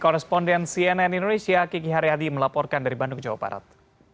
koresponden cnn indonesia kiki haryadi melaporkan dari bandung jawa barat